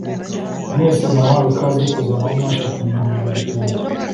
Mwese murahawe ikaze kuzana abo mwashakanye mubirori byanjye